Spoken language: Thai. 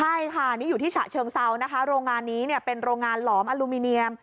ใช่ค่ะนี่อยู่ที่ฉะเชิงเซานะคะโรงงานนี้เนี่ยเป็นโรงงานหลอมอลูมิเนียม